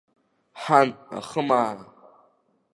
Ҳан, ахымаа!